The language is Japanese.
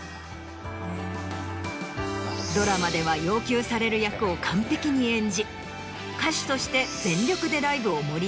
ドラマでは要求される役を完璧に演じ歌手として全力で。